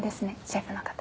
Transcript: シェフの方。